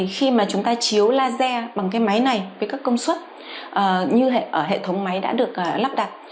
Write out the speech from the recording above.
khi mà chúng ta chiếu laser bằng cái máy này với các công suất như ở hệ thống máy đã được lắp đặt